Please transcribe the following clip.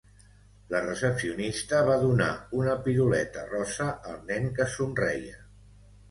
La recepcionista va donar una piruleta rosa al nen que somreia.